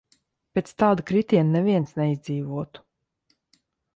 Pēc tāda kritiena neviens neizdzīvotu.